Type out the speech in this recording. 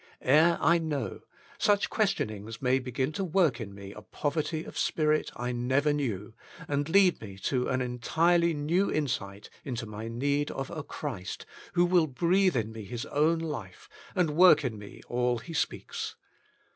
Ere I know, such questionings may begin to work in me a poverty of spirit I never knew, and lead me to an entirely new insight into my need of a Christ who will breathe in me His own life, AND Work in Me All He Speaks.